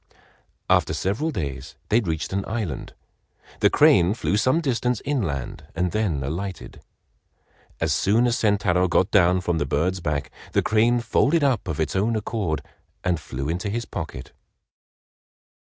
After several days they reached an island. The crane flew some distance inland and then alighted. As soon as Sentaro got down from the bird's back, the crane folded up of its own accord and flew into his pocket.